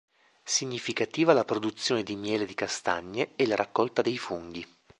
Significativa la produzione di miele di castagne, e la raccolta dei funghi.